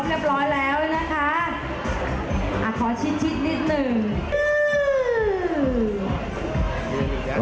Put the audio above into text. อ้าวขอชิดชิดนิดหนึ่ง